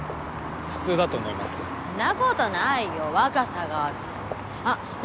普通だと思いますけどんなことないよ若さがあるあっ何？